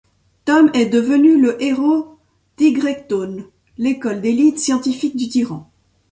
Tom est devenu le héros d'Ygrektone, l'école d'élite scientifique du Tyran.